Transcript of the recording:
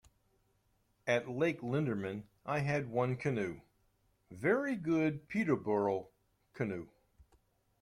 At Lake Linderman I had one canoe, very good Peterborough canoe.